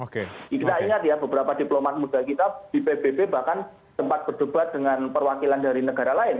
kita ingat ya beberapa diplomat muda kita di pbb bahkan sempat berdebat dengan perwakilan dari negara lain